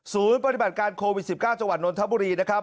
ศูนย์ปฏิบัติการโควิดสิบเก้าจังหวัดนทบุรีนะครับ